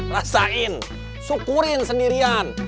rasain syukurin sendirian